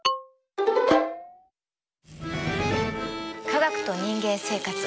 「科学と人間生活」